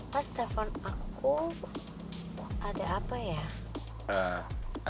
mas telfon aku ada apa ya